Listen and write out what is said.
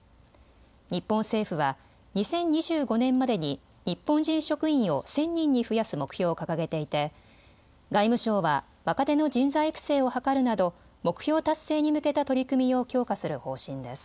日本政府は２０２５年までに日本人職員を１０００人に増やす目標を掲げていて外務省は若手の人材育成を図るなど目標達成に向けた取り組みを強化する方針です。